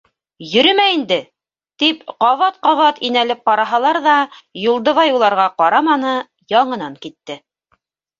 Йөрөмә инде!- тип ҡабат-ҡабат инәлеп ҡараһалар ҙа, Юлдыбай уларға ҡараманы, яңынан китте.